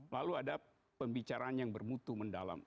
lalu ada pembicaraan yang bermutu mendalam